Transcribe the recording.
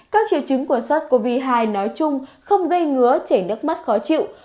các triệu chứng của sars cov hai nói chung không gây ngứa chảy nước mắt khó chịu